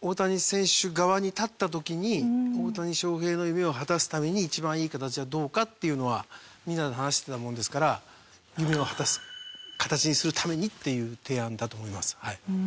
大谷選手側に立った時に大谷翔平の夢を果たすために一番いい形はどうかっていうのはみんなで話してたものですから夢を果たす形にするためにっていう提案だと思います。